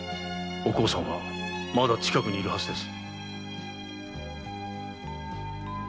お甲さんはまだ近くにいるはずです。